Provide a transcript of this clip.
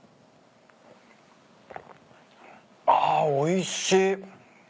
あおいしい。